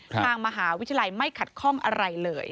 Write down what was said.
ทางมหาวิทยาลัยไม่ขัดข้องอะไรเลย